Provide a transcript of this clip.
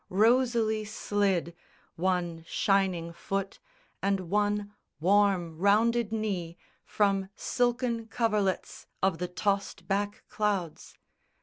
Rosily slid One shining foot and one warm rounded knee From silken coverlets of the tossed back clouds.